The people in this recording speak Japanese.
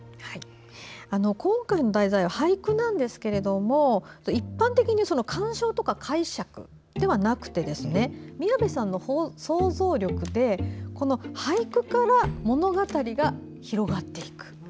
今回の題材は俳句なんですけど一般的に鑑賞・解釈のためではなくて宮部さんの想像力で俳句から物語が広がっていく。